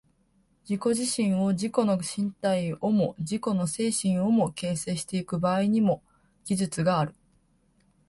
自己自身を、自己の身体をも自己の精神をも、形成してゆく場合にも、技術がある。